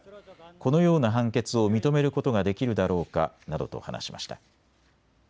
このような判決を認めることができるだろうかなどと話しました。